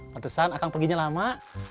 pertesan akan perginya lama